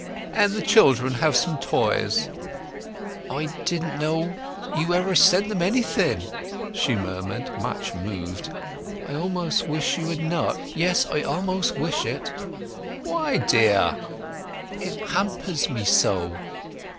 "And the children have some toys." "I didn't know—you ever sent them anything!" she murmured, much moved. "I almost wish you had not—yes, I almost wish it!" "Why, dear?" "It—hampers me so."